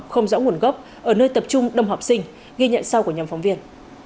không rõ nguồn gốc ở nơi tập trung đông học sinh ghi nhận sau của nhóm phóng viên